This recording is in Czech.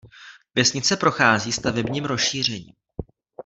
Vesnice prochází stavebním rozšířením.